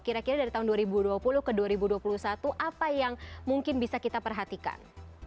jadi dari tahun dua ribu dua puluh ke dua ribu dua puluh satu apa yang mungkin bisa kita perhatikan